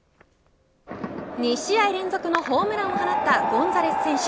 ２試合連続のホームランを放ったゴンザレス選手。